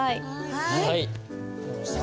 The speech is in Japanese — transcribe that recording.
はい。